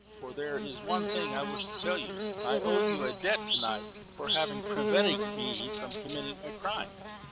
But there is one thing I wish to tell you. I owe you a debt to night for having prevented me from committing a crime.